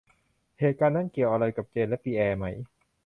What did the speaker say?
เหตุการณ์นั้นเกี่ยวอะไรกับเจนและปิแอร์ไหม